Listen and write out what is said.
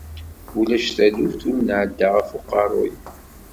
Ulac taluft ur nɛedda ɣef uqerruy.